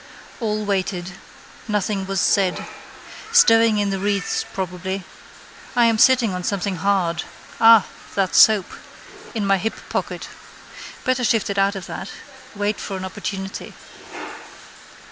All waited. Nothing was said. Stowing in the wreaths probably. I am sitting on something hard. Ah, that soap: in my hip pocket. Better shift it out of that. Wait for an opportunity.